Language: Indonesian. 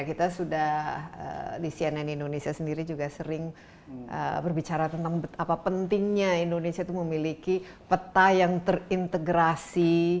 kita sudah di cnn indonesia sendiri juga sering berbicara tentang betapa pentingnya indonesia itu memiliki peta yang terintegrasi